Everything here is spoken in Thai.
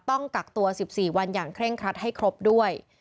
ต้องกักตัว๑๔วันอย่างเคร่งครัดให้ครบด้วย